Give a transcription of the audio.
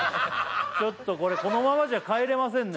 ちょっとこれこのままじゃ帰れませんね